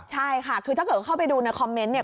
ใช่ค่ะคือถ้าเกิดเข้าไปดูในคอมเมนต์เนี่ย